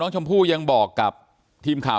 ยู่ยาก